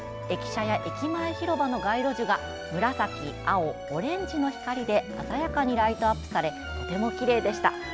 駅舎や駅前広場の街路樹が紫、青、オレンジの光で鮮やかにライトアップされとてもきれいでした。